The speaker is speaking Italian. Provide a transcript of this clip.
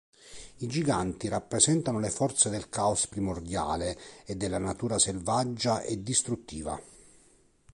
I giganti rappresentano le forze del Caos primordiale e della natura selvaggia e distruttiva.